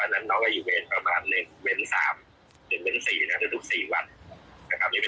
นะครับประมาณสัปดาห์นะครับ